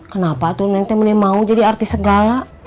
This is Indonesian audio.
kenapa tuh nenek mau jadi artis segala